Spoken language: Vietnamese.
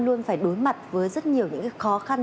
luôn phải đối mặt với rất nhiều những khó khăn